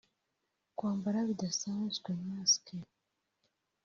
kwambara bidasanzwe (Mask)…